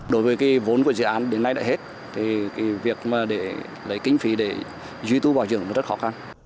đối với vốn của dự án đến nay đã hết việc lấy kinh phí để duy thu bảo dưỡng rất khó khăn